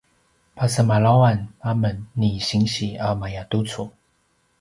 pasemalawan amen ni sinsi a mayatucu